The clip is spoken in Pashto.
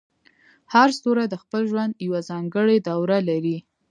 هر ستوری د خپل ژوند یوه ځانګړې دوره لري.